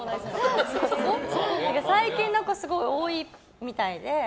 最近の子、多いみたいで。